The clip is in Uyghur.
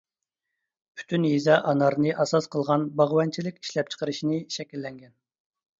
پۈتۈن يېزا ئانارنى ئاساس قىلغان باغۋەنچىلىك ئىشلەپچىقىرىشنى شەكىللەنگەن.